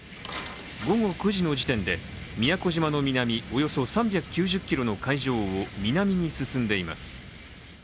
午後９時の時点で宮古島の南およそ３９０ｋｍの海上を南に進んでいます。